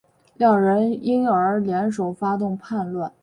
两人因而联手发动叛乱。